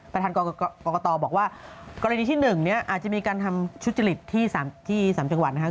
ประธานกรกตบอกว่ากรณีที่๑นี้อาจจะมีการทำชุดจริตที่๓จังหวัด